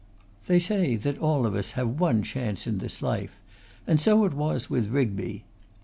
They say that all of us have one chance in this life, and so it was with Rigby.